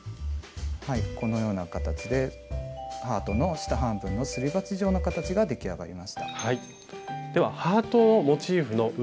このような形でハートの下半分のすり鉢状の形が出来上がりました。